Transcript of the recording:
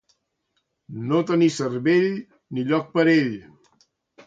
No tenir cervell ni lloc per a ell.